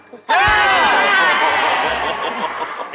สละ